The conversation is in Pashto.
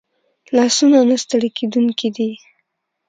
لاسونه نه ستړي کېدونکي دي